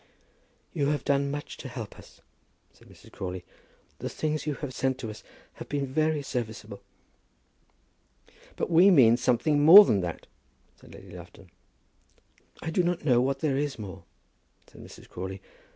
"You have done much to help us," said Mrs. Crawley. "The things you have sent to us have been very serviceable." "But we mean something more than that," said Lady Lufton. "I do not know what there is more," said Mrs. Crawley.